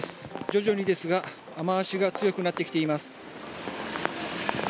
徐々にですが雨足が強くなってきています。